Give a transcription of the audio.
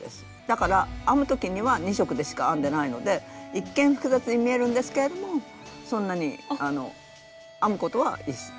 だから編む時には２色でしか編んでないので一見複雑に見えるんですけれどもそんなに編むことは。